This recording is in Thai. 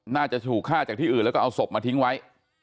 น่าจะถูกฆ่าจากที่อื่นแล้วก็เอาศพมาทิ้งไว้